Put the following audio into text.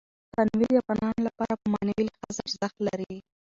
تنوع د افغانانو لپاره په معنوي لحاظ ارزښت لري.